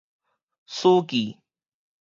史記